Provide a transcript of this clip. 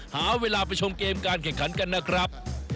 หาเวลาไปชมเกมการแข่งขันกันนะครับ